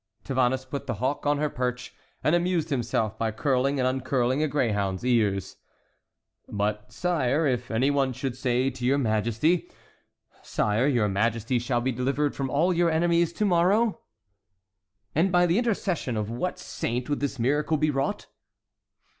Tavannes put the hawk on her perch, and amused himself by curling and uncurling a greyhound's ears. "But, sire, if any one should say to your Majesty: 'Sire, your Majesty shall be delivered from all your enemies to morrow'?" "And by the intercession of what saint would this miracle be wrought?"